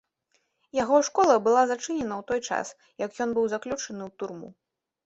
Яго школа была зачынена ў той час, як ён быў заключаны ў турму.